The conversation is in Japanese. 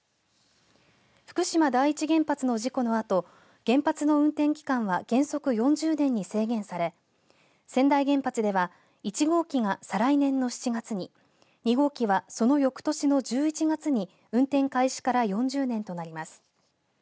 福島第一原発の事故のあと原発の運転期間は原則４０年に制限され川内原発では１号機が再来年の７月に２号機はそのよくとしの１１月に運転開始から４０年となります。